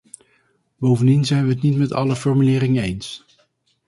Bovendien zijn wij het niet met alle formuleringen eens.